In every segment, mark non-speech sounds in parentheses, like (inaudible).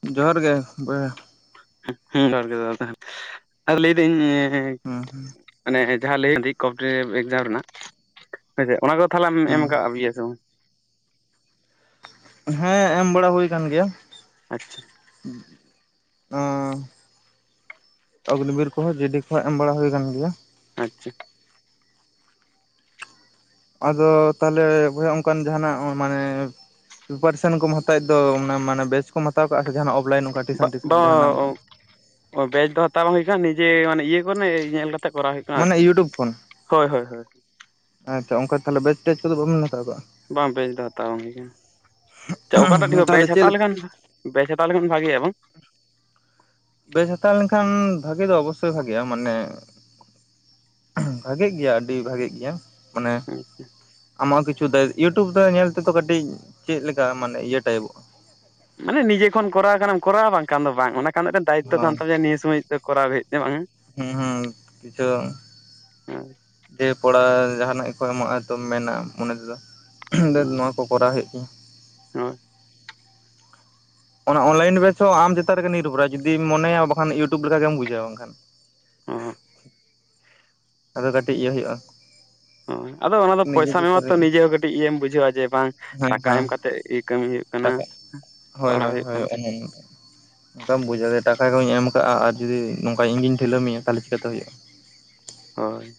ᱦᱮᱸ ᱡᱚᱦᱟᱨ ᱜᱮ ᱵᱚᱭᱦᱟ (unintelligible) (unintelligible) ᱟᱨ ᱞᱟᱹᱭ ᱫᱟᱹᱧ ᱦᱮᱸ ᱢᱟᱱᱮ ᱡᱟᱦᱟᱸ ᱞᱟᱹᱭ ᱤᱫᱟᱹᱧ ᱠᱚᱢᱯᱮᱴᱮᱴᱤᱯ ᱮᱠᱡᱟᱢ ᱨᱮᱱᱟᱜ ᱦᱮᱸᱥᱮ ᱚᱱᱟ ᱠᱚ ᱛᱟᱦᱚᱞᱮᱢ ᱦᱮᱸ ᱮᱢ ᱟᱠᱟᱫ ᱥᱮ ᱵᱟᱝ ᱦᱮᱸ ᱮᱢ ᱵᱟᱲᱟ ᱦᱩᱭ ᱟᱠᱟᱱ ᱜᱮᱭᱟ᱾ ᱟᱪᱪᱷᱟ ᱚᱜᱱᱤᱵᱤᱨ ᱠᱚᱦᱚᱸ ᱡᱤᱰᱤ ᱠᱚᱦᱚᱸ ᱮᱢ ᱵᱟᱲᱟ ᱦᱩᱭ ᱟᱠᱟᱱ ᱜᱮᱭᱟ᱾ ᱟᱪᱪᱷᱟ ᱟᱫᱚ ᱛᱟᱦᱞᱮ ᱵᱚᱭᱦᱟ ᱚᱱᱠᱟᱱ ᱡᱟᱦᱟᱱᱟᱜ ᱢᱟᱱᱮ ᱯᱤᱯᱟᱨᱥᱮᱱ ᱠᱚᱢ ᱦᱟᱛᱟᱣᱮᱫ ᱫᱚ ᱚᱱᱟ ᱢᱟᱱᱮ ᱵᱮᱪ ᱠᱚᱢ ᱦᱟᱛᱟᱣ ᱠᱟᱜ-ᱟ? ᱵᱟ ᱵᱮᱪ ᱫᱚ ᱦᱟᱛᱟᱣ ᱵᱟᱝ ᱦᱩᱭ ᱠᱟᱱᱟ ᱱᱤᱡᱮ ᱢᱟᱱᱮ ᱤᱭᱟᱹ ᱠᱚᱨᱮᱱᱟᱜ ᱧᱮᱞ ᱠᱟᱛᱮ ᱠᱚᱨᱟᱣ ᱦᱩᱭᱩᱜ ᱠᱟᱱᱟ ᱢᱟᱱᱮ ᱟᱨᱠᱤ ᱤᱭᱩᱴᱩᱵᱽ ᱠᱷᱚᱱ ᱦᱳᱭ ᱦᱳᱭ ᱟᱪ ᱚᱱᱠᱟ ᱛᱟᱦᱚᱞᱮ ᱵᱮᱪ ᱛᱮᱡ ᱠᱚᱫᱚ ᱵᱟᱵᱮᱱ ᱦᱟᱛᱟᱣ ᱵᱟᱝ ᱵᱮᱥ ᱫᱚ ᱦᱟᱛᱟᱣ ᱵᱟᱝ ᱦᱩᱭ ᱟᱠᱟᱱ ᱟᱪᱪᱷᱟ ᱚᱠᱟᱴᱟᱜ ᱴᱷᱤᱠ ᱠᱟᱜᱼᱟ ᱛᱟᱦᱚᱞᱮ ᱵᱮᱪ ᱪᱮᱫ ᱦᱟᱛᱟᱣ ᱞᱮᱠᱟ ᱞᱮᱠᱷᱟᱱ ᱵᱮᱪ ᱦᱟᱛᱟᱣ ᱞᱮᱠᱷᱟᱱ ᱵᱷᱟᱜᱮᱭᱟ ᱵᱟᱝ ᱵᱮᱥ ᱦᱟᱛᱟᱣ ᱞᱮᱱᱠᱷᱟᱱ ᱵᱷᱟᱜᱤ ᱫᱚ ᱚᱵᱚᱥᱥᱳᱭ ᱵᱷᱟᱜᱮᱭᱟ ᱢᱟᱱᱮ ᱵᱷᱟᱜᱮᱜ ᱜᱮᱭᱟ ᱟᱹᱰᱤ ᱵᱷᱟᱜᱮᱜ ᱜᱮᱭᱟ ᱢᱟᱱᱮ ᱟᱢᱟᱜ ᱠᱤᱪᱷᱩ ᱫᱟᱭ ᱤᱭᱩᱴᱩᱵᱽ ᱫᱚ ᱧᱮᱞ ᱛᱮᱫᱚ ᱠᱟᱹᱴᱤᱡ ᱪᱮᱫ ᱞᱮᱠᱟ ᱢᱟᱱᱮ ᱤᱭᱟᱹ ᱴᱟᱭᱤᱯᱚᱜᱼᱟ ᱢᱟᱱᱮ ᱱᱤᱡᱮ ᱠᱷᱚᱱ ᱠᱚᱨᱟᱣ ᱠᱷᱟᱱᱮᱢ ᱠᱚᱨᱟᱣᱟ ᱵᱟᱝᱠᱷᱟᱱ ᱫᱚ ᱵᱟᱝ ᱚᱱᱟ ᱮᱱᱠᱷᱟᱱ ᱢᱤᱫ ᱴᱟᱝ ᱫᱟᱭᱤᱛᱛᱚ ᱦᱳᱭ ᱛᱟᱦᱮᱱ ᱛᱟᱢᱟ ᱱᱤᱭᱟᱹ ᱥᱚᱢᱚᱭ ᱫᱚ ᱠᱚᱨᱟᱣ ᱦᱩᱭᱩᱜ ᱛᱟᱭ ᱵᱟᱝ ᱦᱮᱸ ᱦᱩᱸ (unintelligible) ᱦᱭ (inaudible) ᱫᱤᱭᱮ ᱯᱚᱲᱟ ᱡᱟᱦᱟᱱᱟᱜ ᱜᱮᱠᱚ ᱮᱢᱚᱜᱼᱟ ᱛ ᱢᱮᱱᱟ ᱢᱚᱱᱮ ᱛᱮᱫᱚ ᱱᱚᱣᱟ ᱠᱚ ᱠᱚᱨᱟᱣ ᱦᱩᱭᱩᱜ ᱛᱤᱧᱟᱹ ᱦᱳᱭ ᱚᱱᱟ ᱚᱱᱞᱟᱭᱤᱱ ᱵᱮᱥ ᱦᱚᱸ ᱟᱢ ᱪᱮᱛᱟᱱ ᱨᱮᱜᱮ ᱱᱤᱨᱵᱷᱚᱨᱟ ᱡᱩᱫᱤᱢ ᱢᱚᱱᱮᱭᱟ ᱵᱟᱠᱷᱟᱱ ᱤᱭᱩᱴᱩᱵᱽ ᱞᱮᱠᱟᱜᱮᱢ ᱵᱩᱡᱷᱟᱹᱣᱟ ᱵᱟᱝᱠᱷᱟᱱ ᱦᱳᱭ ᱟᱫᱚ ᱠᱟᱹᱴᱤᱡ ᱤᱭᱟᱹ ᱦᱩᱭᱩᱜᱼᱟ᱾ ᱦᱳᱭ ᱟᱫᱚ ᱚᱱᱟ ᱫᱚ ᱱᱤᱡᱮ ᱯᱚᱭᱥᱟᱢ ᱪᱮᱛᱟᱱ ᱮᱢᱟᱛᱚ ᱨᱮ ᱱᱤᱡᱮ ᱦᱚᱸ ᱠᱟᱹᱴᱤᱡ ᱤᱭᱟᱹᱢ ᱵᱩᱡᱷᱟᱹᱣᱟ ᱡᱮ ᱵᱟᱝ ᱦᱮᱸ ᱴᱟᱠᱟ ᱮᱢ ᱦᱮᱸ ᱠᱟᱛᱮᱫ (unintelligible) ᱠᱟᱹᱢᱤ ᱦᱩᱭᱩᱜᱼᱟ᱾ ᱦᱩᱭᱩᱜ ᱠᱟᱱᱟ ᱴᱟᱠᱟ ᱦᱳᱭ ᱯᱟᱲᱦᱟᱣ ᱦᱳᱭ ᱦᱩᱭᱩᱜ ᱦᱳᱭ ᱠᱟᱱᱟ ᱥᱮ ᱪᱮᱫ (unintelligible) ᱴᱟᱠᱟ ᱠᱚᱧ ᱮᱢ ᱠᱟᱜᱼᱟ ᱟᱨ ᱡᱩᱫᱤ ᱱᱚᱝᱠᱟ ᱤᱧᱜᱤᱧ ᱴᱷᱤᱞᱟᱹ ᱢᱮᱭᱟ ᱛᱟᱦᱚᱞᱮ ᱪᱤᱠᱟᱹᱛᱮ ᱦᱩᱭᱩᱜᱼᱟ ᱦᱳᱭ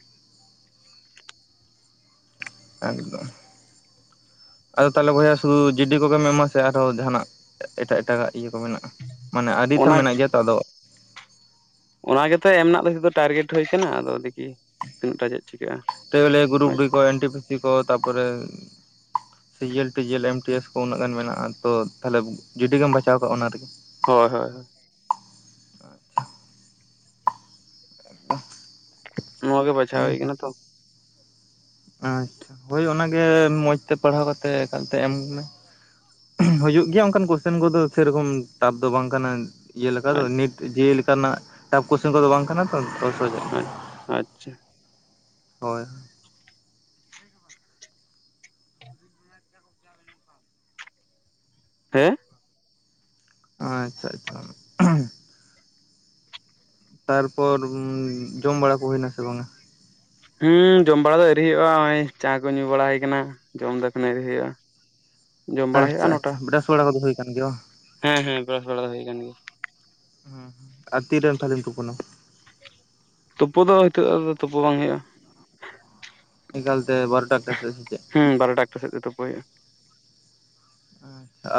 ᱟᱫᱚ ᱟᱫᱚ ᱛᱟᱦᱞᱮ ᱵᱚᱭᱟ ᱥᱩᱫᱩ ᱡᱤᱰᱤ ᱠᱚᱜᱮᱢ ᱮᱢᱟ ᱥᱮᱮ ᱟᱨᱦᱚᱸ ᱡᱟᱦᱟᱱᱟᱜ ᱮᱴᱟᱜ ᱮᱴᱟᱜᱟᱜ ᱤᱭᱟᱹ ᱠᱚ ᱢᱮᱱᱟᱜᱼᱟ ᱢᱟᱱᱮ ᱟᱹᱰᱤ ᱛᱷᱷᱟ ᱚᱱᱟ ᱢᱮᱱᱟᱜ ᱜᱮᱭᱟ ᱛᱚ ᱟᱫᱚ ᱚᱱᱟ ᱜᱮᱛᱚ ᱮᱢ ᱨᱮᱱᱟᱜ ᱫᱚ ᱴᱟᱨᱜᱮᱴ ᱦᱩᱭ ᱟᱠᱟᱱᱟ ᱟᱫᱚ ᱫᱤᱠᱤ ᱛᱤᱱᱟᱹᱜᱴᱟ ᱪᱮᱫ ᱪᱤᱠᱟᱹᱜᱼᱟ ᱛᱟᱦᱞᱮ ᱜᱨᱩᱯ ᱦᱳᱭ ᱰᱤ ᱥᱮ ᱠᱚ ᱮᱱ ᱴᱤ ᱯᱤ ᱥᱤᱤ ᱠᱚ ᱛᱟᱨᱯᱚᱨᱮ ᱥᱤ ᱡᱮᱞ ᱴᱤ ᱡᱮᱞ ᱮᱢ ᱴᱤ ᱮᱥ ᱩᱱᱟᱹᱜ ᱜᱟᱱ ᱢᱮᱱᱟᱜᱼᱟ ᱛᱚ ᱛᱟᱦᱚᱞᱮ ᱡᱩᱰᱤ ᱜᱮᱢ ᱵᱟᱪᱷᱟᱣ ᱠᱟᱜᱼᱟ ᱚᱱᱟ ᱨᱮᱜᱮ ᱦᱳᱭ ᱦᱳᱭ ᱦᱳᱭ ᱴ (inaudible) ᱱᱚᱣᱟ ᱜᱮ ᱵᱟᱪᱷᱟᱣ ᱦᱩᱭ ᱠᱟᱱᱟ ᱛᱚ ᱟᱪᱪᱷᱟ ᱦᱳᱭ ᱚᱱᱟᱜᱮ ᱢᱚᱸᱡᱽ ᱛᱮ ᱯᱟᱲᱦᱟᱣ ᱠᱟᱛᱮ ᱮᱠᱟᱞᱛᱮ ᱮᱢ ᱢᱮ ᱦᱩᱭᱩᱜᱳ ᱜᱮᱭᱟ ᱚᱱᱠᱟᱱ ᱠᱚᱥᱪᱮᱱ ᱠᱚᱫᱚ ᱥᱮᱨᱚᱠᱚᱢ ᱴᱟᱯᱷ ᱫᱚ ᱵᱟᱝ ᱠᱟᱱᱟ ᱤᱭᱟᱹ ᱞᱮᱠᱟ ᱫᱚ ᱟᱪᱪᱷᱟ ᱱᱤᱴ ᱡᱮ ᱤ ᱞᱮᱠᱟᱱᱟᱜ ᱴᱟᱯᱷ ᱠᱚᱳᱪᱮᱱ ᱠᱚᱫᱚ ᱵᱟᱝ ᱠᱟᱱᱟ ᱛᱚ ᱛᱚ ᱥᱚᱡᱟ ᱜᱮᱭᱟ ᱟᱪᱷ ᱟᱪᱪᱷᱟ ᱦᱳᱭ ᱦᱳᱭ ᱦᱮᱸ ᱟᱪᱪᱷᱟ ᱟᱪᱪᱷᱟ ᱛᱟᱨᱯᱚᱨ ᱡᱚᱢ ᱵᱟᱲᱟ ᱠᱚ ᱦᱩᱭ ᱱᱟᱥᱮ ᱵᱟᱝᱼᱟ ᱦᱩᱸ ᱡᱚᱢ ᱵᱟᱲᱟ ᱫᱚ ᱮᱨᱤ ᱦᱩᱭᱩᱜᱼᱟ ᱱᱚᱜ ᱚᱭ ᱪᱟ ᱠᱚ ᱧᱩ ᱵᱟᱲᱟ ᱦᱩᱭ ᱠᱟᱱᱟ ᱡᱚᱢ ᱫᱚ ᱮᱠᱷᱚᱱ ᱮᱭᱨᱤ ᱦᱩᱭᱩᱜᱼᱟ ᱡᱚᱢ ᱵᱟᱲᱟ ᱦᱩᱭᱩᱜᱼᱟ ᱟᱪᱪᱷᱟ ᱱᱚᱴᱟ ᱟᱪᱪᱷᱟ ᱵᱨᱟᱥ ᱵᱟᱲᱟ ᱠᱚᱫᱚ ᱦᱩᱭ ᱟᱠᱟᱱ ᱜᱮᱭᱟ ᱵᱟᱝ ᱦᱮᱸ ᱦᱮᱸ ᱵᱨᱟᱥ ᱵᱟᱲᱟ ᱫᱚ ᱦᱩᱭ ᱠᱟᱱ ᱜᱮᱭᱟ ᱦᱮᱸ ᱦᱮᱸ ᱟᱨ ᱛᱤᱨᱮᱢ ᱛᱟᱦᱞᱮᱢ ᱛᱩᱯᱳᱱᱟ ᱛᱩᱯᱩ ᱫᱚ ᱦᱤᱛᱚᱜ ᱟᱫᱚ ᱛᱩᱯᱩ ᱵᱟᱝ ᱦᱩᱭᱩᱜᱼᱟ (inaudible) ᱜᱮ ᱵᱟᱨᱳ ᱴᱟ ᱛᱮ ᱥᱮ ᱪᱮᱫ ᱦᱩᱸ ᱵᱟᱨᱚᱴᱟ ᱮᱠᱴᱟ ᱥᱮᱫ ᱛᱮ ᱛᱩᱯᱩ ᱦᱩᱭᱩᱜᱼᱟ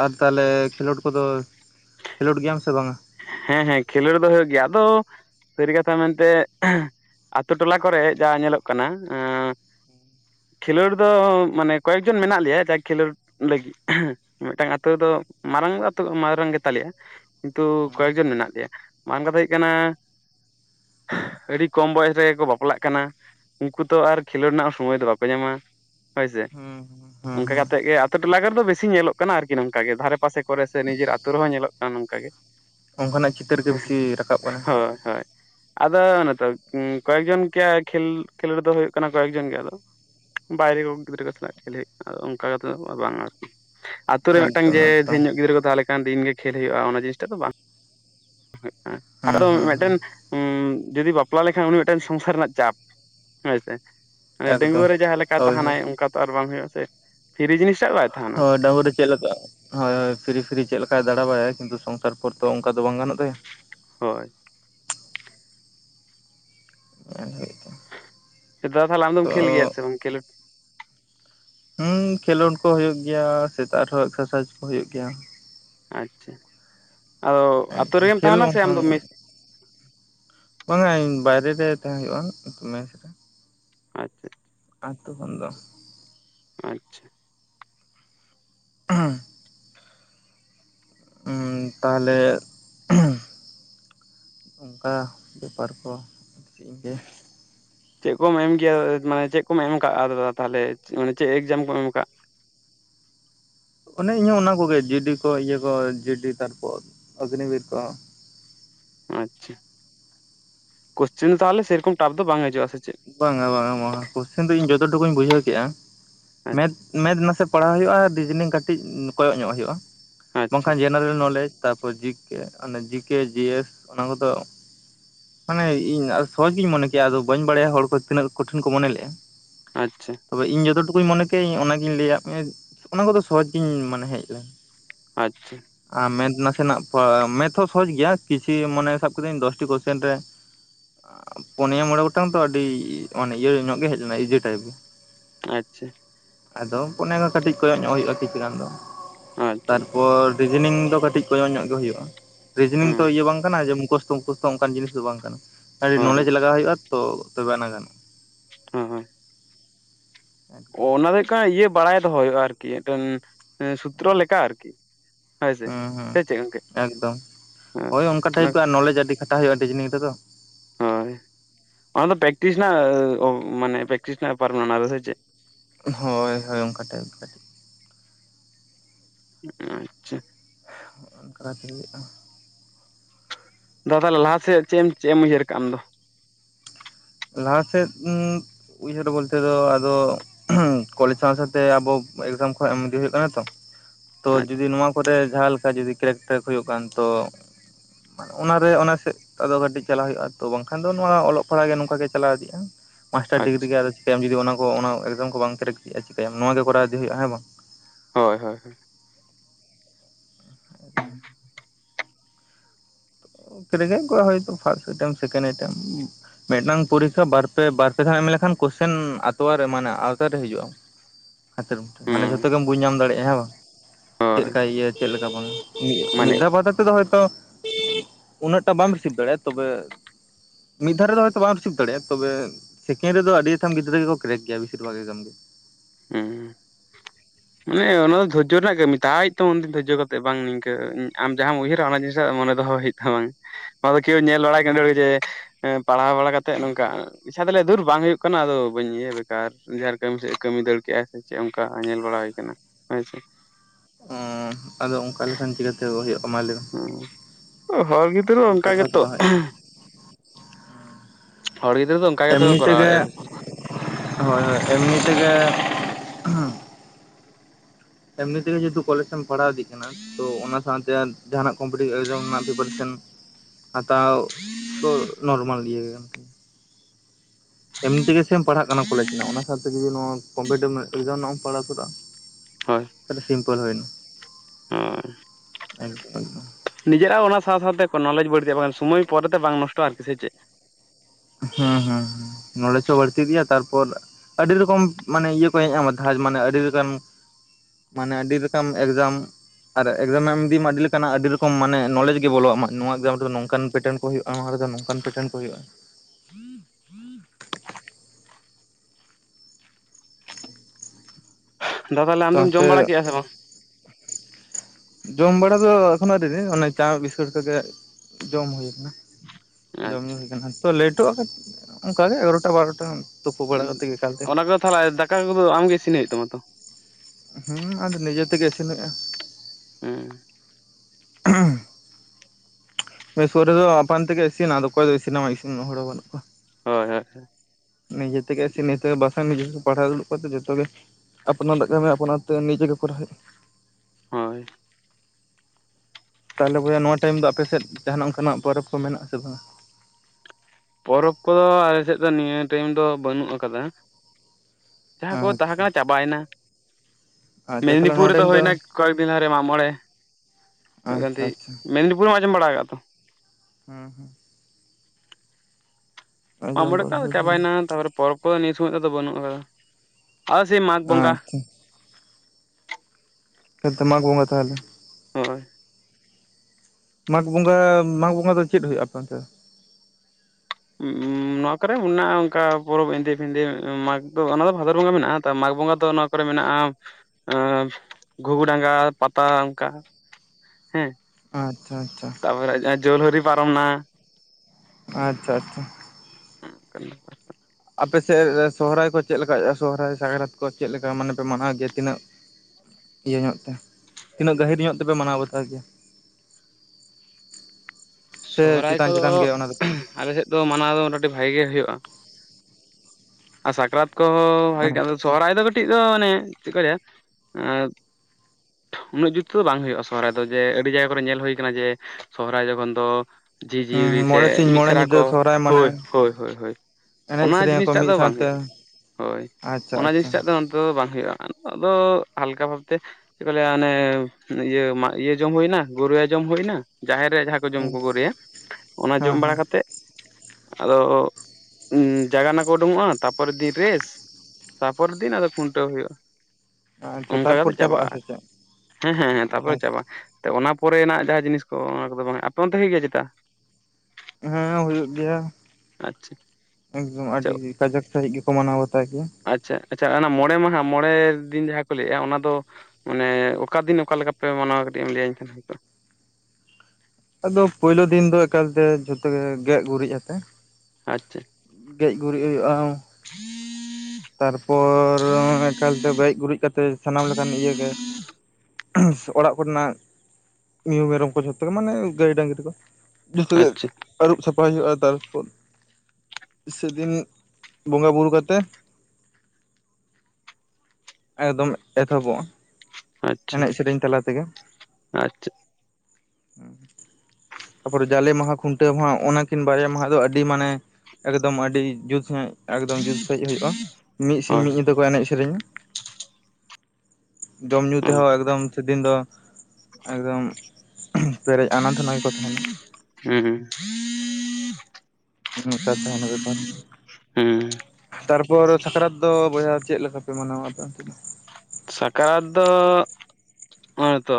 ᱟᱨ ᱛᱟᱦᱚᱞᱮ ᱠᱷᱮᱞᱳᱰ ᱠᱚᱫᱚ ᱠᱷᱮᱞᱳᱰ ᱜᱮᱭᱟᱢ ᱥᱮ ᱵᱟᱝᱟ? ᱦᱮᱸ ᱦᱮᱸ ᱠᱷᱮᱞᱳᱰ ᱫᱚ ᱦᱩᱭᱩᱜ ᱜᱮᱭᱟ ᱟᱫᱚ ᱥᱟᱹᱨᱤ ᱠᱟᱛᱷᱟ ᱢᱮᱱᱛᱮ ᱟᱛᱳ ᱴᱚᱞᱟ ᱠᱚᱨᱮᱜ ᱡᱟ ᱧᱮᱞᱚᱜ ᱠᱟᱱᱟ ᱟᱸ ᱠᱷᱮᱞᱳᱰ ᱫᱚ ᱢᱟᱱᱮ ᱠᱚᱭᱮᱠ ᱡᱚᱱ ᱢᱮᱱᱟᱜ ᱞᱮᱭᱟ ᱡᱟ ᱠᱷᱮᱞᱳᱰ ᱞᱟᱹᱜᱤᱫ ᱢᱤᱫᱴᱟᱝ ᱟᱛᱳ ᱫᱚ ᱢᱟᱨᱟᱝ ᱟᱛ ᱢᱟᱨᱟᱝ ᱜᱮᱛᱟᱞᱮᱭᱟ ᱠᱤᱱᱛᱩ ᱻᱻ ᱦᱩᱸ ᱠᱚᱭᱮᱠ ᱡᱚᱱ ᱢᱮᱱᱟᱜ ᱞᱮᱭᱟ ᱵᱟᱨᱟᱝ ᱠᱟᱛᱷᱟ ᱦᱩᱭᱩᱜ ᱠᱟᱱᱟ ᱟᱹᱰᱤ ᱠᱚᱢ ᱵᱚᱭᱮᱥ ᱨᱮᱜᱮ ᱠᱚ ᱵᱟᱯᱞᱟᱜ ᱠᱟᱱᱟ ᱩᱱᱠᱩ ᱛᱚ ᱟᱨ ᱠᱷᱮᱞᱳᱰ ᱨᱮᱱᱟᱜ ᱥᱚᱢᱚᱭ ᱫᱚ ᱵᱟᱠᱚ ᱧᱟᱢᱟ ᱦᱳᱭ ᱥᱮ ᱦᱩᱸ ᱦᱩᱸ ᱚᱱᱠᱟ ᱦᱩᱸ ᱠᱟᱛᱮᱮᱫ ᱜᱮ ᱟᱛᱳ ᱴᱚᱞᱟ ᱨᱮᱫᱚ ᱵᱮᱥᱤ ᱧᱮᱞᱚᱜ ᱠᱟᱱᱟ ᱟᱨᱠᱤ ᱱᱚᱝᱠᱟ ᱜᱮ ᱫᱷᱟᱨᱮ ᱯᱟᱥᱮ ᱠᱚᱨᱮ ᱥᱮ ᱱᱤᱡᱮᱨ ᱟ ᱟᱹᱛᱩᱳ ᱨᱮᱦᱚᱸ ᱧᱮᱞᱚᱜ ᱠᱟᱱᱟ ᱱᱚᱝᱠᱟ ᱜᱮ ᱾ ᱚᱱᱠᱟᱱᱟᱜ ᱪᱤᱛᱟᱹᱨ ᱜᱮ ᱵᱮᱥᱤ ᱨᱟᱠᱟᱵ ᱠᱟᱱᱟ ᱦᱳᱭ ᱦᱳᱭ ᱟᱫᱚ ᱱᱤᱛᱚᱜ ᱠᱚᱭᱮᱠ ᱡᱚᱱ ᱜᱮ ᱠᱷᱮᱞ ᱠᱷᱮᱞᱳᱰ ᱫᱚ ᱦᱩᱭᱩᱜ ᱠᱟᱱᱟ ᱠᱚᱭᱮᱠ ᱡᱚᱱ ᱜᱮ ᱟᱫᱚ, ᱵᱟᱭᱨᱮ ᱠᱚ ᱜᱤᱫᱽᱨᱟᱹ ᱠᱚ ᱥᱟᱞᱟᱜ ᱠᱷᱮᱞ ᱦᱩᱭᱩᱜ ᱠᱟᱱᱟ ᱚᱱᱠᱟ ᱠᱟᱛᱮᱮᱫ ᱫᱚ ᱵᱟᱝ ᱟᱨᱠᱤ ᱾ ᱟᱛᱳ ᱨᱮ ᱢᱤᱫᱴᱟᱝ ᱮᱠᱫᱚᱢ ᱡᱮ ᱮᱠᱫᱚᱢ ᱫᱷᱮᱨᱧᱚᱜ ᱜᱤᱫᱽᱨᱟᱹ ᱠᱚ ᱛᱟᱦᱚᱞᱮ ᱠᱷᱟᱱ ᱫᱤᱱᱜ ᱜᱮ ᱠᱷᱮᱞ ᱦᱩᱭᱩᱜᱼᱟ ᱚᱱᱟ ᱡᱤᱱᱤᱥᱴᱟᱜ ᱫᱚ ᱵᱟᱝ ᱿ ᱦᱩᱸ ᱟᱨᱫᱚ ᱦᱩᱸ ᱦᱩᱸ ᱢᱤᱫᱴᱮᱱ ᱩᱸ ᱡᱩᱫᱤ ᱵᱟᱯᱞᱟ ᱞᱮᱠᱷᱟᱱ ᱩᱱᱤ ᱢᱤᱫᱴᱟᱱ ᱥᱚᱝᱥᱟᱨ ᱨᱮᱱᱟᱜ ᱪᱟᱯ ᱦᱮᱭᱥᱮ ᱮᱠᱫᱚᱢ ᱰᱟᱺᱜᱩᱣᱟᱹ ᱨᱮ ᱡᱟᱦᱟᱸ ᱞᱮᱠᱟ ᱦᱳᱭ ᱦᱳᱭ ᱛᱟᱦᱮᱱᱟᱭ ᱚᱱᱠᱟ ᱛᱚ ᱟᱨ ᱵᱟᱝ ᱦᱩᱭᱩᱜᱼᱟᱥᱮ ᱯᱷᱤᱨᱨᱤ ᱡᱤᱱᱤᱥ ᱻᱻ ᱦᱳᱭ ᱰᱟᱝᱜᱨᱤ ᱨᱮ ᱪᱮᱫ ᱞᱮᱠᱟ ᱦᱳᱭ ᱦᱳᱭ ᱯᱷᱤᱨᱨᱤ ᱯᱷᱤᱨᱤ ᱪᱮᱫ ᱞᱮᱠᱟᱭ ᱫᱟᱲᱟ ᱵᱟᱲᱟᱭᱟᱭ ᱠᱤᱱᱛᱩ ᱥᱚᱝᱥᱟᱨ ᱯᱚᱨ ᱛᱚ ᱟᱫᱚ ᱵᱟᱝ ᱜᱟᱱᱚᱜ ᱫᱟᱭᱟ ᱾ ᱦᱳᱭ ᱫᱟ ᱛᱟᱦᱞᱮ ᱟᱢ ᱫᱚᱚᱢ ᱛᱚ ᱠᱷᱮᱞ ᱜᱮᱭᱟ ᱥᱮ ᱵᱟᱝ ᱠᱷᱮᱞᱳᱰ ᱦᱮᱸ ᱠᱷᱮᱞᱳᱰ ᱠᱚ ᱦᱩᱭᱩᱜᱜ ᱜᱮᱭᱟ ᱥᱮᱛᱟᱜ ᱨᱮᱦᱚᱸ ᱮᱠᱥᱟᱨᱥᱟᱭᱤᱡᱽ ᱠᱚ ᱦᱚ ᱦᱩᱭᱩᱜ ᱜᱮᱭᱟ, ᱟᱪᱪᱷᱟ ᱟᱫᱚ ᱟᱛᱳ (unintelligible) ᱨᱮᱜᱮᱢ ᱛᱟᱦᱮᱱᱟ ᱥᱮ ᱟᱢ ᱫᱚ ᱛᱮ ᱢᱮᱥ ᱛᱮ ᱛᱟᱸᱦᱮᱱ ᱦᱩᱭᱩᱜᱼᱟ ᱢᱮᱥ ᱨᱮ ᱾ ᱟᱪᱪᱷᱟ ᱟᱪᱪᱷᱟ ᱟᱛᱩ ᱠᱷᱚᱱ ᱫᱚ ᱟᱪᱪᱷᱟ (unintelligible) ᱦᱮᱸ ᱦᱩᱸ ᱛᱟᱦᱚᱞᱮ (unintelligible) ᱚᱱᱠᱟ ᱵᱮᱯᱟᱨ ᱠᱚ (unintelligible) ᱜᱮ ᱪᱮᱫ ᱠᱚᱢ ᱮᱢ ᱠᱮᱭᱟ ᱢᱟᱱᱮ ᱪᱮᱫ ᱠᱚᱢ ᱮᱢ ᱠᱟᱜᱼᱟ ᱫᱟᱫᱟ ᱛᱟᱦᱚᱞᱮᱟᱱᱮ ᱪᱮᱫ ᱮᱠᱡᱟᱢ ᱠᱚᱢ ᱮᱢ ᱠᱟᱜ (inaudible) ᱚᱱᱮ ᱤᱧ ᱦᱚᱸ ᱚᱱᱟ ᱠᱚᱜᱮ ᱡᱤᱰᱤ ᱠᱚ ᱤᱭᱟᱹ ᱠᱚ ᱡᱤᱰᱤ ᱛᱟᱨᱯᱚᱨ ᱚᱜᱱᱤᱵᱤᱨ ᱠᱚ ᱟᱪᱪᱷᱟ ᱠᱚᱥᱪᱟᱱ ᱛᱟᱦᱮ ᱥᱮᱨᱚᱠᱚᱢ ᱴᱟᱯ ᱫᱚ ᱵᱟᱝ ᱦᱤᱡᱩᱜᱼᱟ ᱟ ᱥᱮ ᱪᱮᱫ ᱵᱟᱝᱟ ᱵᱟᱝᱟ ᱢᱟ ᱠᱚᱥᱪᱮᱱ ᱫᱚ ᱤᱧ ᱡᱚᱛᱚ ᱴᱩᱠᱩᱧ ᱵᱩᱡᱷᱟᱹᱣ ᱠᱮᱫᱼᱟ ᱟᱪᱪᱷᱟ ᱢᱮᱛᱷ ᱢᱮᱛᱷ ᱱᱟᱥᱮ ᱯᱟᱲᱦᱟᱜ ᱦᱩᱭᱩᱜᱼᱟ ᱨᱤᱡᱱᱤᱝ ᱠᱟᱹᱴᱤᱡ ᱠᱚᱭᱚᱜ ᱧᱚᱜ ᱦᱩᱭᱩᱜᱼᱟ᱾ ᱟᱪᱪᱷᱟ ᱵᱟᱝᱠᱷᱟᱱ ᱡᱮᱱᱟᱨᱮᱞ ᱱᱚᱞᱮᱡᱽ ᱛᱟᱨᱯᱚᱨ ᱡᱤᱠᱮ ᱡᱤᱠᱮ ᱡᱤ ᱮᱥ ᱚᱱᱟ ᱠᱚᱫᱚ ᱢᱟᱱᱮ ᱤᱧ ᱥᱚᱦᱚᱡ ᱜᱤᱧ ᱢᱚᱱᱮ ᱠᱮᱭᱟ ᱟᱫᱚ ᱵᱟᱹᱧ ᱵᱟᱲᱟᱭᱟ ᱦᱚᱲ ᱠᱚ ᱛᱤᱱᱟᱹᱜ ᱠᱚᱴᱷᱤᱱ ᱠᱚ ᱢᱚᱱᱮ ᱞᱮᱫᱼᱟ ᱟᱪᱪᱷᱟ ᱛᱚᱵᱮ ᱤᱧ ᱡᱚᱛ ᱴᱩᱠᱩ ᱠᱚᱧ ᱢᱚᱱᱮ ᱠᱮᱭᱟ ᱤᱧ ᱚᱱᱟᱜᱤᱧ ᱞᱟᱹᱭᱟᱫ ᱚᱱᱟ ᱠᱚᱫᱚ ᱥᱚᱦᱚᱡ ᱜᱤᱧ ᱢᱟᱱᱮ ᱦᱮᱡ ᱞᱮᱱᱟ ᱟᱪᱪᱷᱟ ᱟᱨ ᱢᱮᱛᱷ ᱱᱟᱥᱮᱱᱟᱜ ᱢᱮᱛᱷ ᱦᱚᱸ ᱥᱚᱦᱚᱡ ᱜᱮᱭᱟ ᱠᱤᱪᱷᱤᱩ ᱢᱟᱱᱮ ᱥᱟᱵ ᱠᱟᱹᱫᱟᱹᱧ ᱫᱚᱥᱴᱤ ᱠᱚᱥᱪᱮᱱ ᱨᱮ ᱯᱩᱱᱮᱭᱟ ᱢᱚᱬᱮ ᱜᱚᱴᱟᱝ ᱛᱚ ᱟᱹᱰᱤ (unintelligible) ᱤᱭᱟᱹ ᱧᱚᱜ ᱜᱮ ᱦᱮᱡ ᱞᱮᱱᱟ ᱤᱡᱤ ᱴᱟᱭᱤᱯ ᱜᱮ ᱟᱪᱪᱷᱟ ᱟᱫᱚ ᱯᱚᱱᱮ ᱠᱚ ᱠᱟᱹᱴᱤᱡ ᱠᱚᱭᱚᱜ ᱧᱚᱜ ᱦᱩᱭᱩᱜᱼᱟ ᱠᱤᱪᱷᱩ ᱜᱟᱱ ᱫᱚ ᱟᱪᱪᱷᱟ ᱛᱟᱨᱯᱚᱨ ᱨᱤᱡᱤᱱᱤᱝ ᱫᱚ ᱠᱟᱹᱴᱤᱡ ᱠᱚᱭᱚᱜ ᱧᱚᱜ ᱜᱮ ᱦᱩᱭᱩᱜᱼᱟ ᱨᱤᱡᱤᱱᱤᱝ ᱦᱮᱸ ᱛᱚ ᱤᱭᱟᱹ ᱵᱟᱝ ᱠᱟᱱᱟ ᱡᱮ ᱢᱩᱠᱚᱥᱛᱚ ᱢᱩᱠᱚᱥᱛᱚ ᱚᱱᱠᱟᱱ ᱡᱤᱱᱤᱥ ᱫᱚ ᱵᱟᱝ ᱠᱟᱱᱟ ᱟᱹᱰᱤ ᱱᱚᱞᱮᱡᱽ ᱦᱳᱭ ᱞᱟᱜᱟᱣ ᱦᱩᱭᱩᱜᱼᱟ ᱛᱚ ᱛᱚᱵᱮ ᱟᱱᱟᱜ ᱜᱟᱱᱚᱜᱼᱟ ᱦᱳᱸ ᱦᱳᱭ ᱚ ᱮᱠᱫᱚᱢ ᱚᱱᱟ ᱫᱚ ᱦᱩᱭᱩᱜ ᱠᱟᱱᱟ ᱤᱭᱟᱹ ᱵᱟᱲᱟᱭ ᱫᱚᱦᱚᱭ ᱦᱩᱭᱩᱜᱼᱟ ᱟᱨᱠᱤ ᱢᱤᱫᱴᱮᱱ ᱥᱩᱛᱨᱚ ᱞᱮᱠᱟ ᱟᱨᱠᱤ ᱦᱳᱭ ᱥᱮ ᱦᱚᱸ ᱦᱚᱸ ᱥᱮ ᱪᱮᱫ ᱜᱚᱝᱠᱮ ᱮᱠᱫᱚᱢ ᱦᱳᱭ ᱳᱭ ᱚᱱᱠᱟ ᱚᱱᱟ ᱴᱟᱭᱤᱯ ᱱᱚᱞᱮᱮᱡ ᱟᱹᱰᱤ ᱠᱷᱟᱴᱟ ᱦᱩᱭᱩᱜᱼᱟᱰᱤᱡᱱᱤᱝ ᱨᱮᱫᱚ ᱦᱳᱭ ᱚᱱᱟ ᱫᱚ ᱯᱨᱮᱠᱴᱤᱥ ᱨᱮᱱᱟᱜ ᱢᱟᱱᱮ ᱯᱨᱮᱠᱴᱤᱥ ᱨᱮᱱᱟᱜ (unintelligible) ᱥᱮ ᱪᱮᱫ ᱦᱳᱭ ᱦᱳᱭ ᱚᱱᱠᱟ ᱴᱟᱭᱤᱯ ᱠᱟᱹᱴᱤᱡ ᱟᱪᱪᱷᱟ (unintelligible) ᱦᱩᱭᱩᱜᱼ (unintelligible) ᱫᱟᱫᱟ ᱞᱟᱦᱟ ᱥᱮᱫ ᱪᱮᱫ ᱮᱢ ᱪᱮᱫ ᱮᱢ ᱩᱭᱦᱟᱹᱨ ᱠᱟᱜ ᱟᱢ ᱫᱚ ᱞᱟᱦᱟ ᱥᱮᱫ (unintelligible) ᱩᱭᱦᱟᱹᱨ ᱵᱚᱞᱛᱮ ᱫᱚ ᱟᱫᱚ ᱠᱚᱞᱮᱡᱽ ᱥᱟᱶ ᱥᱟᱶᱛᱮ ᱟᱵᱚ ᱮᱠᱡᱟᱢ ᱠᱷ ᱮᱢ ᱤᱫᱤ ᱦᱩᱭᱩᱜ ᱠᱟᱱᱟ ᱛᱚ ᱛᱳ ᱡᱚᱫᱤ ᱟᱪᱪᱷᱟ ᱱᱚᱣᱟ ᱠᱚᱨᱮᱜ ᱡᱟᱸᱦᱟ ᱞᱮᱠᱟ ᱡᱚᱫᱤ ᱠᱮᱨᱮᱠᱴᱨᱮᱠ ᱦᱩᱭᱩᱜ ᱠᱟᱱ ᱛᱚ ᱚᱱᱟᱨᱮ ᱚᱱᱟ ᱥᱮᱫ ᱟᱫᱚ ᱠᱟᱹᱴᱤᱡ ᱪᱟᱞᱟᱜ ᱦᱩᱭᱩᱜᱼᱟ ᱛᱚ ᱵᱟᱝᱠᱷᱟᱱ ᱫᱚ ᱱᱚᱣᱟ ᱚᱞᱚᱜ ᱯᱟᱲᱦᱟᱜ ᱜᱮ ᱮ ᱪᱟᱞᱟᱣ ᱤᱫᱤᱜ-ᱟ ᱢᱟᱥᱴᱟᱨ ᱰᱤᱜᱽᱨᱤ ᱟᱪᱪᱷᱟ ᱜᱮ ᱟᱫᱚ ᱪᱤᱠᱟᱹᱭᱟᱢ ᱡᱩᱫᱤ ᱚᱱᱟ ᱚᱱᱟ ᱮᱠᱡᱟᱢ ᱠᱚ ᱵᱟᱝ ᱯᱷᱮᱨᱮᱠᱼᱟ ᱪᱤᱠᱟᱹᱭᱟᱢ ᱱᱚᱣᱟᱣᱟᱜᱮ ᱠᱚᱨᱟᱣ ᱤᱫᱤ ᱦᱩᱭᱩᱜᱼᱟ ᱦᱮᱸ ᱵᱟᱝ ᱦᱳᱭ ᱦᱳᱭ (unintelligible) (unintelligible) ᱢᱤᱫᱴᱟᱝ ᱯᱚᱨᱤᱠᱷᱟ ᱵᱟᱨ ᱯᱮ ᱫᱷᱟᱣ ᱮᱢ ᱞᱮᱠᱷᱟᱱ ᱠᱚᱥᱪᱮᱱ ᱟᱛᱣᱟᱨ ᱨᱮ ᱢᱟᱱᱮ ᱟᱣᱛᱟᱨ ᱨᱮ ᱦᱤᱡᱩᱜᱼᱟ᱾ ᱦᱟᱛᱮ ᱢᱩᱴᱟᱱ ᱦᱮᱸ ᱡᱷᱚᱛᱚ ᱜᱮᱢ ᱵᱩ ᱧᱟᱢ ᱫᱟᱲᱮᱭᱟᱜᱼᱟ ᱦᱮᱸ ᱵᱟᱝ ᱦᱳᱭ ᱪᱮᱫᱞᱮᱠᱟ ᱤᱭᱟᱹ ᱪᱮᱫᱞᱮᱠᱟ ᱵᱟᱝ ᱢᱤᱫ ᱢᱟᱱᱮ ᱫᱷᱟᱣ ᱵᱟᱨ ᱫᱷᱟᱣ ᱛᱮᱫᱚ ᱦᱚᱭᱛᱳ ᱩᱱᱟᱹᱜᱴᱟ ᱵᱟᱢ ᱨᱤᱥᱤᱵᱷ ᱫᱟᱲᱮᱭᱟᱜᱼᱟ ᱛᱚᱵᱮ ᱢᱤᱫ ᱫᱷᱟᱣ ᱨᱮ ᱫᱚ ᱦᱭᱛᱚ ᱵᱟᱢ ᱨᱤᱥᱩᱵᱷ ᱫᱟᱲᱮᱭᱟᱜᱼᱟ ᱛᱚᱵᱮ ᱥᱮᱠᱮᱱᱰ ᱨᱮᱫᱚ ᱟᱹᱰᱤᱛᱚᱢ ᱜᱤᱫᱽᱨᱟᱹ ᱜᱮᱠᱚ ᱠᱨᱮᱠ ᱜᱮᱭᱟ ᱵᱮᱥᱤᱨ ᱵᱷᱟᱜᱽ ᱮ ᱜᱮ ᱦᱮᱸ ᱢᱟᱱᱮ ᱚᱱᱟ ᱫᱚ ᱫᱷᱳᱨᱡᱚ ᱨᱮᱱᱟᱜ ᱠᱟᱹᱢᱤ ᱛᱟᱭᱟᱣ ᱛᱟᱢ ᱩᱱᱫᱤᱱ ᱫᱷᱳᱨᱡᱚ ᱠᱟᱛᱮᱫ ᱵᱟᱝ ᱱᱤᱝᱠᱟᱹ ᱟᱢ ᱡᱟᱦᱟᱸᱢ ᱩᱭᱦᱟᱹᱨᱟ ᱚᱱᱟ ᱡᱤᱱᱤᱥ ᱢᱚᱱᱮ ᱫᱚᱦᱚ ᱦᱩᱭᱩᱜ ᱛᱟᱢ ᱵᱟᱝ ᱱᱚᱣᱟ ᱫᱚ ᱠᱮᱣ ᱧᱮᱞ ᱵᱟᱲᱟᱭ ᱠᱟᱱ ᱡᱮ ᱯᱟᱲᱦᱟᱣ ᱵᱟᱲᱟ ᱠᱟ ᱠᱟᱛᱮᱫ ᱱᱚᱝᱠᱟ ᱟᱪᱪᱷᱟ ᱛᱟᱞᱮ ᱫᱩᱨ ᱵᱟᱝ ᱦᱩᱭᱩᱜ ᱠᱟᱱᱟ ᱟᱫᱚ ᱵᱟᱹᱧ ᱤᱭᱟᱹᱭᱟ ᱵᱮᱠᱟᱨ ᱠᱟᱹᱢᱤ ᱥᱮᱫ ᱮ ᱠᱟᱹᱢᱤ ᱫᱟᱹᱲ ᱠᱮᱜᱼᱟ ᱥᱮ ᱪᱮᱫ ᱚᱱᱠᱟ ᱧᱮᱞ ᱵᱟᱲᱟ ᱦᱩᱭ ᱦᱚᱭ ᱥᱮ ᱚ ᱟᱫᱚ ᱚᱱᱠᱟ ᱞᱮᱠᱟᱱ ᱪᱤᱠᱟᱹᱛᱮ ᱦᱩᱭᱩᱜᱼᱟ᱾ ᱢᱟ ᱞᱟᱹᱭ ᱢᱮ ᱚᱸ ᱦᱚᱲ ᱜᱤᱫᱽᱨᱟᱹ ᱚᱱᱠᱟ ᱞᱮᱠᱟ ᱫᱚ ᱜᱮᱛᱚ᱾ ᱵᱟᱝ ᱦᱩᱭᱩᱜᱼᱟ ᱦᱚᱲ ᱜᱤᱫᱽᱨᱟᱹ ᱫᱚ ᱚᱱᱠᱟ ᱜᱮᱛᱚ ᱠᱚ ᱮᱢᱱᱤ ᱛᱮᱜᱮ ᱠᱚᱨᱟᱣᱮᱫᱼᱟ ᱵᱮᱥᱤ᱾ ᱦᱳᱭ ᱦᱳᱭ ᱮᱢᱱᱤ ᱛᱮᱜᱮ ᱮᱢᱱᱤ ᱛᱮᱜᱮ ᱡᱮᱦᱛᱩ ᱠᱚᱞᱮᱡ ᱮᱢ ᱯᱟᱲᱦᱟᱣ ᱤᱫᱤᱜ ᱠᱟᱱᱟ ᱛᱚ ᱚᱱᱟ ᱥᱟᱶᱛᱮ ᱡᱟᱦᱱᱟᱜ ᱠᱚᱢᱯᱤᱴᱤᱵᱽ ᱮᱠᱡᱟᱢ ᱨᱮᱱᱟᱜ ᱯᱨᱤᱯᱟᱨᱮᱥᱮᱱ ᱦᱟᱛᱟᱣ ᱫᱚ-᱾ ᱱᱚᱨᱢᱟᱞ ᱤᱭᱟᱹ ᱠᱟᱱ ᱜᱤᱭᱟᱹ᱾ ᱮᱢᱱᱤ ᱛᱮᱜᱮᱥᱮᱢ ᱯᱟᱲᱦᱟᱜ ᱠᱟᱱᱟ ᱠᱚᱞᱮᱡᱽ ᱨᱮᱱᱟᱜ ᱚᱱᱟ ᱥᱟᱶᱛᱮ ᱡᱚᱫᱤ ᱱᱚᱣᱟ ᱠᱚᱢᱯᱤᱴᱤᱵᱷ ᱮᱠᱡᱟᱢ ᱨᱮᱱᱟᱜ ᱮᱢ ᱯᱟᱲᱟᱣ ᱩᱛᱟᱹᱨᱼᱟ᱾ ᱦᱳᱭ ᱟᱹᱰᱤ ᱥᱤᱢᱯᱚᱞ ᱦᱩᱭᱮᱱᱟ ᱾ ᱩᱸ ᱮᱠᱫᱚᱢ ᱮᱠᱫᱚᱢ ᱱᱤᱡᱮᱨᱟᱜ ᱚᱱᱟ ᱥᱟᱶ ᱥᱟᱶᱛᱮ ᱱᱚᱞᱮᱡᱽ ᱵᱟᱹᱲᱛᱤᱜᱼᱟ ᱵᱟᱝᱠᱷᱟᱱ ᱥᱚᱢᱚᱭ ᱯᱚᱨᱮᱛᱮ ᱵᱟᱝ ᱱᱚᱥᱴᱚᱜᱼᱟ ᱟᱨᱠᱤ᱾ ᱥᱮ ᱪᱮᱫ? ᱦᱮᱸ ᱦᱮᱸ ᱱᱚᱞᱮᱡᱽ ᱦᱚᱸ ᱵᱟᱹᱲᱛᱤ ᱤᱫᱤᱜ-ᱟ᱾ ᱛᱟᱨᱯᱚᱨ ᱟᱹᱰᱤ ᱨᱚᱠᱚᱢ ᱢᱟᱱᱮ ᱤᱭᱟᱹ ᱠᱚ ᱦᱮᱡ ᱟᱢᱟ ᱫᱷᱟᱡᱽ ᱢᱟᱱᱮ ᱟᱹᱰᱤ ᱞᱮᱠᱟᱱ ᱢᱟᱱᱮ ᱟᱹᱰᱤ ᱞᱮᱠᱟᱱ ᱮᱠᱡᱟᱢ ᱟᱨ ᱮᱠᱡᱟᱢᱮ ᱮᱢ ᱤᱫᱤ ᱢᱟ ᱟᱹᱰᱤ ᱞᱮᱠᱟᱱᱟᱜ ᱟᱹᱰᱤ ᱨᱚᱠᱚᱢ ᱢᱟᱱᱮ ᱱᱚᱞᱮᱡ ᱜᱮ ᱵᱚᱞᱚᱜ ᱟ ᱢᱟ ᱱᱚᱣᱟ ᱮᱠᱡᱟᱢ ᱨᱮᱫᱚ ᱱᱚᱝᱠᱟᱱ ᱯᱮᱴᱟᱱ ᱠᱚ ᱦᱩᱭᱩᱜᱼᱟ᱾ ᱚᱱᱟ ᱱᱚᱝᱠᱟᱱ ᱯᱮᱴᱮᱱ ᱠᱚ ᱦᱩᱭᱩᱜᱼᱟ᱾ ᱫᱟᱫᱟ ᱛᱟᱦᱚᱞᱮ ᱟᱢᱫᱚᱢ ᱥᱟᱶᱛᱮ ᱡᱚᱢ ᱵᱟᱲᱟ ᱠᱮᱫᱼᱟ ᱥᱮ ᱵᱟᱝ? ᱡᱚᱢ ᱵᱟᱲᱟ ᱫᱚ ᱮᱠᱷᱚᱱᱳ ᱟᱹᱰᱤ ᱚᱱ ᱪᱟ ᱵᱤᱥᱴ ᱠᱚᱜᱮ ᱡᱚᱢ ᱦᱩᱭᱩ ᱟᱠᱟᱱᱟ᱾ ᱡᱚᱢ ᱧᱩᱩ ᱟᱪᱪᱷᱟ ᱦᱩᱭ ᱠᱟᱱᱟ ᱛᱚ ᱞᱮᱴᱚᱜᱼᱟ ᱚᱱᱠᱟᱜᱮ ᱮᱜᱟᱨᱚᱴᱟ ᱵᱟᱨᱚᱴᱟ᱾ ᱛᱩᱯᱩ ᱵᱟᱲᱟ ᱠᱟᱛᱮ ᱜᱮ ᱮᱠᱟᱞᱛᱮ ᱚᱱᱟ ᱠᱚᱫᱚ ᱛᱟᱦᱚᱞᱮ ᱫᱟᱠᱟ ᱠᱚᱫᱚ ᱟᱢ ᱜᱮ ᱤᱥᱤᱱ ᱦᱩᱭᱩᱜ ᱛᱟᱢᱟ ᱛᱚ? ᱦᱮᱸ ᱟᱫᱚ ᱱᱤᱡᱮ ᱛᱮᱜᱮ ᱤᱥᱤᱱ ᱦᱩᱭᱩᱜᱼᱟ᱾ ᱦᱮᱸ ᱢᱮᱥ ᱥᱩᱨ ᱨᱮᱫᱚ ᱟᱯᱟᱱ ᱛᱮᱜᱮ ᱤᱥᱤᱱᱟ ᱟᱫᱚ ᱚᱠᱚᱭ ᱫᱚ ᱤᱥᱤᱱᱟᱢᱟ ᱤᱥᱤᱱ ᱦᱚᱲ ᱦᱚᱸ ᱵᱟᱹᱱᱩᱜ ᱠᱚᱣᱟ᱾ ᱮᱸᱦᱮᱜ ᱥᱮ ᱱᱤᱡᱮ ᱛᱮᱜᱮ ᱤᱥᱤᱱ ᱱᱤᱡᱮ ᱛᱮᱜᱮ ᱵᱟᱥᱟᱱ ᱱᱤᱡᱮ ᱛᱮᱜᱮ ᱯᱟᱲᱦᱟᱣ ᱫᱩᱲᱩᱵ ᱠᱚᱣᱟ ᱡᱚᱛᱚᱜ ᱜᱮ ᱟᱯᱱᱟᱨᱟᱜ ᱠᱟᱹᱢᱤ ᱟᱯᱱᱟᱨᱛᱮ ᱱᱤᱡᱮ ᱜᱮ ᱠᱚᱨᱟᱣ ᱦᱩᱭᱩᱜ-ᱟ ᱾ ᱦᱳᱭ ᱛᱟᱦᱞᱮ ᱵᱚᱭᱦᱟ ᱱᱚᱣᱟ ᱴᱟᱭᱤᱢ ᱫᱚ ᱟᱯᱮ ᱥᱮᱫ ᱡᱟᱦᱟᱱᱟᱜ ᱚᱱᱠᱟᱱᱟᱜ ᱯᱚᱨᱚᱵᱽ ᱠᱚ ᱢᱮᱱᱟᱜ ᱟᱥᱮ ᱵᱟᱝᱟ? ᱯᱚᱨᱚᱵᱽ ᱠᱚᱫᱚ ᱟᱞᱮ ᱥᱮᱫ ᱫᱚ ᱱᱤᱭᱟᱹ ᱴᱟᱭᱤᱢ ᱫᱚ ᱵᱟᱹᱱᱩᱜ ᱟᱠᱟᱫᱟ᱾ ᱡᱟᱦᱟᱸ ᱠᱚ ᱛᱟᱦᱮᱸ ᱟᱪᱪᱷᱟ ᱠᱟᱱᱟ ᱪᱟᱵᱟᱭᱮᱱᱟ᱾ ᱟᱪᱪᱷᱟ ᱛᱟᱦᱚᱞᱮ ᱢᱮᱫᱽᱱᱤᱯᱩᱨ ᱱᱚᱣᱟ ᱨᱮᱫᱚ ᱴᱟᱭᱤᱢ ᱫᱚ ᱦᱩᱭᱱᱟ ᱠᱚᱭᱮᱠ ᱫᱤᱱ ᱞᱟᱦᱟᱨᱮ ᱢᱟᱜ ᱢᱚᱬᱮ᱾ ᱦᱩᱭ ᱟᱪᱪᱷᱟ ᱠᱟᱹᱴᱤᱡ ᱟᱪᱪᱷᱟ ᱢᱮᱫᱽᱱᱤᱯᱩᱨ ᱨᱮᱢ ᱟᱸᱡᱚᱢ ᱵᱟᱲᱟ ᱠᱟᱜ ᱛᱚ? ᱦᱮᱸ ᱦᱮᱸ ᱢᱟᱜ ᱟᱸᱡᱚᱢ ᱢᱚᱬᱮ ᱠᱚ ᱵᱟᱲᱟ ᱟᱫᱚ ᱦᱩᱭ ᱪᱟᱵᱟᱭᱱᱟ ᱛᱟᱨᱯᱚᱨᱮ ᱯᱚᱨᱚᱵᱽ ᱠᱚᱫᱚ ᱱᱤᱭᱟᱹ ᱥᱚᱢᱚᱭ ᱫᱚ ᱵᱟᱹᱱᱩᱜ ᱟᱠᱟᱫᱟ᱾ ᱟ ᱥᱮ ᱢᱟᱜᱽ ᱠᱟᱱᱟ ᱵᱚᱸᱜᱟ ᱦᱮᱸᱛᱚ ᱢᱟᱜᱽ ᱵᱚᱸᱜᱟ ᱛᱟᱦᱚᱞᱮ᱾ ᱦᱳᱭ᱾ ᱢᱟᱜᱽ ᱵᱚᱸᱜᱟ ᱢᱟᱜᱽ ᱵᱚᱸᱜᱟ ᱫᱚ ᱪᱮᱫ ᱦᱩᱭᱩᱜᱼᱟ ᱟᱯᱮ ᱚᱱᱛᱮ ᱩᱸᱻ ᱦᱩᱸ ᱱᱚᱣᱟ ᱠᱚᱨᱮ ᱢᱮᱱᱟᱜᱼᱟ ᱚᱱᱠᱟ ᱯᱚᱨᱚᱵᱽ ᱤᱱᱤᱫᱤ ᱯᱷᱤᱱᱸᱫᱤ ᱢᱟᱜᱽ ᱫᱚ ᱚᱱᱟ ᱫᱚ ᱵᱷᱟᱫᱚᱨ ᱵᱚᱸᱜᱟ ᱢᱮᱱᱟᱜᱼᱟ ᱛᱚ ᱢᱟᱜᱽ ᱵᱚᱸᱜᱟ ᱫᱚ ᱱᱚᱣᱟ ᱠᱚᱨᱮ ᱢᱮᱱᱟᱜᱼᱟ ᱜᱩᱜᱩᱰᱟᱸᱜᱟ ᱯᱟᱛᱟ ᱚᱱᱠᱟ ᱦᱮᱸ ᱟᱪᱪᱷᱟ ᱟᱪᱪᱷᱟ ᱛᱟᱯᱚᱨᱮ ᱡᱟᱦᱟᱸ ᱡᱳᱞ ᱦᱚᱨᱤ ᱯᱟᱨᱚᱢᱱᱟ ᱟᱪᱪᱷᱟ ᱟᱪᱪᱷᱟ᱾ (inaudible) ᱟᱯᱮ ᱥᱮᱫ ᱥᱚᱦᱨᱟᱭ ᱠᱚ ᱪᱮᱫ ᱞᱮᱠᱟ ᱦᱩᱭᱩᱜᱼᱟ ᱥᱚᱦᱨᱟᱭ ᱥᱟᱠᱨᱟᱛ ᱠᱚ ᱪᱮᱫ ᱞᱮᱠᱟ ᱢᱟᱱᱮ ᱯᱮ ᱢᱟᱱᱟᱣ ᱜᱮᱭᱟ? ᱛᱤᱱᱟᱹᱜ ᱤᱭᱟᱹ ᱧᱚᱜ ᱛᱮ ᱛᱤᱱᱟᱹᱜ ᱜᱟᱹᱦᱤᱨ ᱧᱚᱜ ᱛᱮᱯᱮ ᱢᱟᱱᱟᱣ ᱵᱟᱛᱟᱣ ᱜᱮᱭᱟ? (inaudible) ᱥᱮ ᱥᱚᱨᱦᱟᱭ ᱪᱮᱛᱟᱱ ᱠᱚᱫᱚ ᱪᱮᱛᱟᱱ ᱜᱮ ᱚᱱᱟ ᱫᱚᱯᱮ ᱟᱞᱮ ᱥᱮᱫ ᱫᱚ ᱢᱟᱱᱟᱣ ᱫᱚ ᱟᱹᱰᱤ ᱵᱷᱟᱜᱮ ᱜᱮ ᱦᱩᱭᱩᱜᱼᱟ᱾ ᱟᱨ ᱥᱟᱠᱨᱟᱛ ᱠᱚᱦᱚᱸ ᱵᱷᱟᱜᱮ ᱜᱮ ᱟᱫᱚ ᱥᱚᱨᱦᱟᱭ ᱫᱚ ᱠᱟᱹᱴᱤᱡ ᱫᱚ ᱚᱱᱮ ᱪᱤᱠᱟᱭᱟ ᱮᱸᱫ ᱩᱱᱟᱹᱜ ᱡᱩᱛ ᱛᱮᱫᱚ ᱵᱟᱝ ᱦᱩᱭᱩᱜᱼᱟ ᱥᱚᱦᱨᱟᱭ ᱫᱚ ᱡᱮ ᱟᱹᱰᱤ ᱡᱟᱭᱜᱟ ᱠᱚᱨᱮ ᱧᱮᱞ ᱦᱩᱭ ᱠᱟᱱᱟ ᱡᱮ ᱥᱚᱦᱨᱟᱭ ᱡᱚᱠᱷᱚᱱ ᱛᱚ ᱡᱷᱤ ᱦᱩᱸ ᱡᱤᱣᱲᱤ ᱥᱮ ᱢᱚᱬᱮ ᱥᱤᱧ ᱢᱚᱬᱮ ᱢᱤᱥᱨᱟ ᱧᱤᱫᱟᱹ ᱠᱚ ᱥᱚᱦᱨᱟᱭ ᱢᱟᱱᱮ ᱦᱳᱭ ᱦᱳᱭ ᱦᱳᱭ ᱮᱱᱮᱡ ᱚᱱᱟ ᱥᱮᱨᱮᱧ ᱟᱠᱚ ᱡᱤᱱᱤᱥᱴᱟᱜ ᱢᱤᱫ ᱫᱚ ᱵᱟᱝ ᱥᱟᱶᱛᱮ ᱦᱩᱭᱩᱜᱼᱟ ᱦᱳᱭ ᱟᱪᱪᱷᱟ ᱚᱱᱟ ᱟᱪᱪᱷᱟ ᱡᱤᱱᱤᱥᱴᱟᱜ ᱫᱚ ᱚᱱᱛᱮ ᱫᱚ ᱵᱟᱝ ᱦᱩᱭᱩᱜᱼᱟ᱾ ᱟᱫᱚ ᱦᱟᱞᱠᱟ ᱵᱷᱟᱵᱛᱮ ᱪᱮᱫ ᱠᱚ ᱞᱟᱹᱭᱟ ᱚᱱᱮ ᱤᱭᱟᱹ (inaudible) ᱤᱭᱟ (unintelligible) ᱡᱚᱢ ᱦᱩᱭᱱᱟ ᱜᱳᱨᱭᱟ ᱡᱚᱢ ᱡᱚᱢ ᱦᱩᱭᱱᱟ ᱡᱟᱦᱮᱨ ᱨᱮ ᱡᱟᱦᱟᱸ ᱠᱚ ᱡᱚᱢ ᱦᱮᱸ ᱠᱚ ᱜᱳᱨᱭᱟ ᱚᱱᱟ ᱡᱚᱢ ᱵᱟᱲᱟ ᱦᱮᱸ ᱠᱟᱛᱮᱜ ᱟᱫᱚ ᱡᱟᱜᱟᱱᱱᱟ ᱠᱚ ᱳᱰᱩᱝᱚᱸᱜᱼᱟ ᱛᱟᱨᱯᱚᱨᱮᱨ ᱫᱤᱱ ᱨᱮᱥ ᱛᱟᱨᱯᱚᱨ ᱫᱤᱱ ᱟᱫᱚ ᱠᱷᱩᱱᱴᱟᱹᱣ ᱦᱩᱭᱩᱜᱼᱟ᱾ ᱟᱪᱪᱷᱟ ᱚᱱᱠᱟ ᱛᱟᱨᱯᱚᱨ ᱠᱟᱛᱮᱜ ᱪᱟᱵᱟᱜ ᱪᱟᱵᱟᱜᱼᱟ ᱟᱥᱮ ᱟᱨ ᱪᱮᱫ? ᱦᱮᱸ ᱦᱮᱸ ᱦᱮᱸ ᱛᱟᱯᱚᱨᱮ ᱟᱪᱪᱷᱟ ᱪᱟᱵᱟᱜᱼᱟ ᱛᱚ ᱚᱱᱟ ᱯᱚᱨᱮᱱᱟᱜ ᱡᱟᱦᱟᱸ ᱡᱤᱱᱤᱥ ᱛᱚ ᱚᱱᱟ ᱠᱚᱫᱚ ᱵᱟᱝ ᱟᱯᱮ ᱚᱱᱛᱮ ᱦᱩᱭᱩᱜ ᱜᱮᱭᱟ ᱪᱮᱛᱟ? ᱦᱮᱸ ᱦᱩᱭᱩᱜ ᱜᱮᱭᱟ ᱟᱪᱪᱷᱟ ᱮᱠᱫᱚᱢ ᱟᱹᱰᱤ ᱠᱟᱡᱟᱠ ᱥᱟᱺᱦᱤᱡ ᱜᱮᱠᱚ ᱢᱟᱱᱟᱣ ᱵᱟᱛᱟ ᱟᱪᱪᱷᱟ ᱟᱪᱪᱷᱟ ᱚᱱᱟ ᱢᱚᱬᱮ ᱢᱟᱦᱟ ᱢᱚᱬᱮ ᱫᱤᱱ ᱡᱟᱦᱟᱸ ᱠᱚ ᱞᱟᱹᱭᱮᱫᱼᱟ ᱚᱱᱟ ᱫᱚ ᱢᱟᱱᱮ ᱚᱠᱟ ᱫᱤᱱ ᱚᱠᱟ ᱞᱮᱠᱟ ᱯᱮ ᱢᱟᱱᱟᱣ ᱠᱟᱹᱴᱤᱡ ᱮᱢ ᱞᱟᱹᱭᱟᱹ ᱤᱧ ᱠᱷᱟᱱ ᱦᱳᱭ ᱠᱚᱜ-ᱟ᱾ (inaudible) ᱟᱫᱚ ᱯᱳᱭᱞᱳ ᱫᱤᱱ ᱫᱚ ᱮᱠᱟᱞᱛᱮ ᱡᱷᱚᱛᱚ ᱜᱮ ᱜᱮᱡ ᱜᱩᱨᱤᱡ ᱟᱛᱮ ᱟᱪᱪᱷᱟ ᱜᱮᱡ ᱜᱩᱨᱤᱡ ᱦᱩᱭᱩᱜᱼᱟ ᱛᱟᱨᱯᱚᱨ ᱮᱠᱟᱞᱛᱮ ᱜᱮᱡ ᱜᱩᱨᱤᱡ ᱠᱟᱛᱮᱜ ᱥᱟᱱᱟᱢ ᱞᱮᱠᱟᱱ ᱤᱭᱟᱹ ᱜᱮ ᱚᱲᱟᱜ ᱠᱚᱨᱮᱱᱟᱜ ᱢᱤᱦᱩᱸ ᱢᱮᱨᱚᱢ ᱠᱚ ᱡᱷᱚᱛᱚ ᱜᱮ ᱢᱟᱱᱮ ᱜᱟᱹᱭ ᱰᱟᱸᱝᱨᱤ ᱠᱚ ᱡᱚᱛᱚ ᱜᱮ ᱟᱪᱪᱷᱟ ᱟᱨᱩᱵ ᱥᱟᱯᱷᱟ ᱥᱟᱯᱟᱭ ᱦᱩᱭᱩᱜᱼᱟ ᱛᱟᱨᱯᱚᱨ ᱥᱮ ᱫᱤᱱ ᱵᱚᱸᱜᱟ ᱵᱩᱨᱩ ᱠᱟᱛᱮ ᱮᱠᱫᱚᱢ ᱮᱛᱚᱦᱚᱵᱚᱜᱼᱟ ᱟᱪᱪᱷᱟ ᱮᱱᱮᱡ ᱥᱮᱨᱮᱧ ᱛᱟᱞᱟ ᱛᱮᱜᱮ ᱟᱪᱪᱷᱟ ᱛᱟᱯᱚᱨᱮ ᱡᱟᱞᱮ ᱢᱟᱦᱟ ᱠᱷᱩᱱᱴᱟᱹᱣ ᱢᱟᱦᱟ ᱚᱱᱟᱠᱤᱱ ᱵᱟᱨᱭᱟ ᱢᱟᱦᱟ ᱫᱚ ᱟᱹᱰᱤ ᱢᱟᱱᱮ ᱮᱠᱫᱚᱢ ᱟᱹᱰᱤ ᱡᱩᱛ ᱥᱟᱺᱦᱤᱡ ᱮᱠᱫᱚᱢ ᱡᱩᱛ ᱥᱟᱺᱦᱤᱡ ᱦᱩᱭᱩᱜᱼᱟ ᱢᱤᱫ ᱥᱤᱧ ᱦᱳᱭ ᱢᱤᱫ ᱧᱤᱫᱟᱹ ᱠᱚ ᱮᱱᱮᱡ ᱥᱮᱨᱮᱧᱟ ᱡᱚᱢ ᱧᱩ ᱦᱳᱭ ᱛᱮᱦᱚᱸ ᱮᱠᱫᱚᱢ ᱥᱮᱫᱤᱱ ᱫᱚ ᱮᱠᱫᱚᱢ ᱯᱮᱨᱮᱡ ᱟᱱᱟᱴᱟᱱᱟ ᱜᱮᱠᱚ ᱛᱟᱦᱮᱱᱟ᱾ ᱦᱩᱸ ᱦᱩᱸ ᱚᱝᱠᱟ ᱛᱟᱦᱮᱱᱟ ᱵᱮᱯᱟᱨ ᱦᱮᱸ ᱛᱟᱨᱯᱚᱨ ᱥᱟᱠᱨᱟᱛ ᱫᱚ ᱵᱚᱭᱦᱟ ᱪᱮᱫ ᱞᱮᱠᱟ ᱯᱮ ᱢᱟᱱᱟᱣᱟ ᱟᱯᱮ ᱚᱱᱛᱮ ᱫᱚ? ᱥᱟᱠᱨᱟᱛ ᱫᱚ ᱚᱭ ᱛᱚ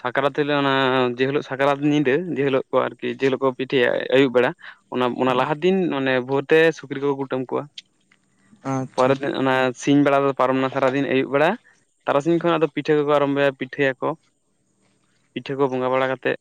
ᱥᱟᱠᱨᱟᱛ ᱦᱤᱞᱳᱜ ᱚᱱᱟ ᱡᱮᱦᱤᱞᱳᱜ ᱥᱟᱠᱨᱟᱛ ᱧᱤᱫᱟᱹ ᱡᱮᱦᱤᱞᱳᱜ ᱠᱚ ᱟᱨᱠᱤ ᱡᱮᱦᱤᱞᱳᱜ ᱠᱚ ᱯᱤᱴᱷᱟᱹᱭᱟ ᱟᱹᱭᱩᱵ ᱵᱮᱲᱟ ᱚᱱᱟ ᱚᱱᱟ ᱦᱩᱸ ᱞᱟᱦᱟ ᱫᱤᱱ ᱢᱟᱱᱮ ᱵᱷᱳᱨ ᱛᱮ ᱥᱩᱠᱨᱤ ᱠᱚ ᱠᱩᱴᱟᱹᱢ ᱠᱚᱣᱟ ᱟᱪᱪᱷᱟ ᱯᱚᱨᱮᱨ ᱫᱤᱱ ᱚᱱᱟ ᱥᱤᱧ ᱵᱮᱲᱟ ᱫᱚ ᱯᱟᱨᱚᱢᱱᱟ ᱥᱟᱨᱟᱫᱤᱱ ᱟᱹᱭᱩᱵ ᱵᱮᱲᱟ ᱛᱟᱨᱟᱥᱤᱧ ᱠᱷᱚᱱ ᱟᱫᱚ ᱯᱤᱴᱷᱟᱹ ᱠᱚᱠᱚ ᱟᱨᱚᱢᱵᱚᱭᱟ ᱯᱤᱴᱷᱟᱹᱭᱟᱠᱚ ᱯᱤᱴᱷᱟᱹ ᱠᱚ ᱵᱚᱸᱜᱟ ᱵᱟᱲᱟ ᱠᱟᱛᱮᱫ